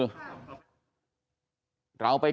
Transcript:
เราไปแกะข้อความมาให้